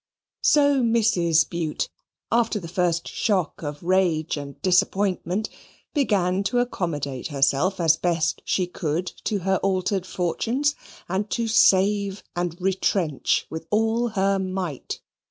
So Mrs. Bute, after the first shock of rage and disappointment, began to accommodate herself as best she could to her altered fortunes and to save and retrench with all her might.